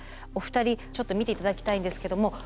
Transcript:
お二人ちょっと見て頂きたいんですけども。